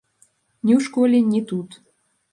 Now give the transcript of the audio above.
Ні ў школе, ні тут.